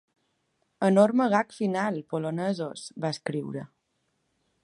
Enorme gag final, polonesos!, va escriure.